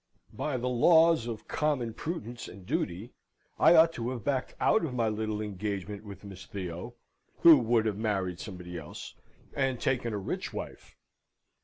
By the laws of common prudence and duty, I ought to have backed out of my little engagement with Miss Theo (who would have married somebody else), and taken a rich wife.